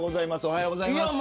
おはようございます。